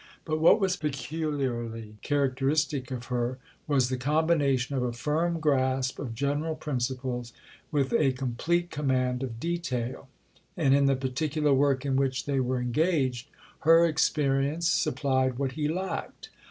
But what was peculiarly characteristic of her was the combination of a firm grasp of general principles with a complete command of detail; and in the particular work in which they were engaged, her experience supplied what he lacked.